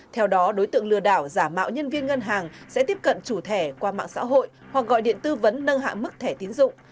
theo đó đối tượng lừa đảo giả mạo nhân viên ngân hàng sẽ tiếp cận chủ thẻ qua mạng xã hội hoặc gọi điện tư vấn nâng hạ mức thẻ tiến dụng